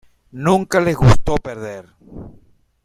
Nunca le gustó perder.